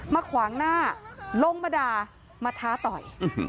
ขวางหน้าลงมาด่ามาท้าต่อย